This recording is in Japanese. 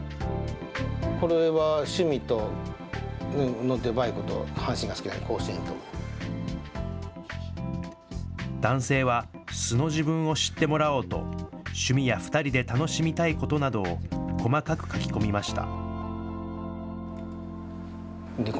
これは趣味のバイクと阪神が好きなんで、男性は素の自分を知ってもらおうと、趣味や２人で楽しみたいことなどを細かく書き込みました。